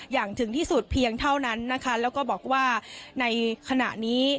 อย่างถึงที่สุดเพียงเท่านั้นนะคะแล้วก็บอกว่าในขณะนี้